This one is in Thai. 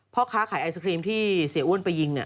พ่อค้าขายไอศครีมที่เสียอ้วนไปยิง